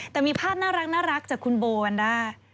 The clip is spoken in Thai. แต่มีภาพน่ารักจากคุณโบวันด้า